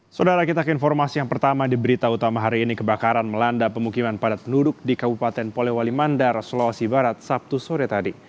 saudara kita ke informasi yang pertama di berita utama hari ini kebakaran melanda pemukiman padat penduduk di kabupaten polewali mandar sulawesi barat sabtu sore tadi